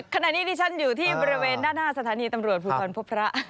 ขณะนี้ที่ฉันอยู่ที่บริเวณหน้าสถานีตำรวจภูมิควรพพระ